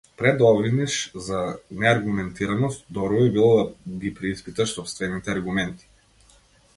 Пред да обвиниш за неаргументираност, добро би било да ги преиспиташ сопствените аргументи.